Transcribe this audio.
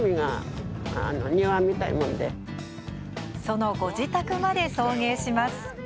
そのご自宅まで送迎します。